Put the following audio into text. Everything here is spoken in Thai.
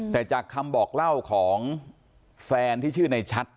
แต่จากคำบอกเล่าของแฟนที่ชื่อในชัด